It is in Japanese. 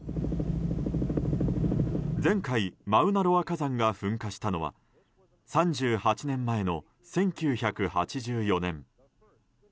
前回マウナロア火山が噴火したのは３８年前の１９８４年。